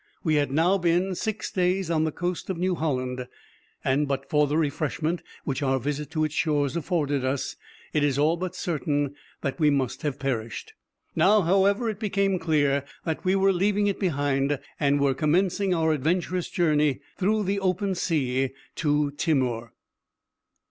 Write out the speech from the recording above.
We had now been six days on the coast of New Holland, and but for the refreshment which our visit to its shores afforded us, it is all but certain that we must have perished. Now, however, it became clear that we were leaving it behind, and were commencing our adventurous voyage through the open sea to Timor.